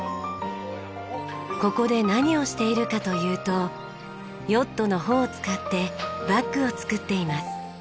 ここで何をしているかというとヨットの帆を使ってバッグを作っています。